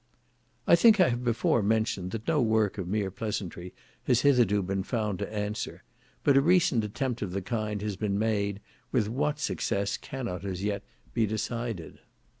I think I have before mentioned that no work of mere pleasantry has hitherto been found to answer; but a recent attempt of the kind as been made, with what success cannot as yet be decided.